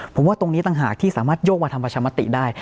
ผมว่าตรงนี้ต่างหากที่สามารถโยกมาทำประชามติได้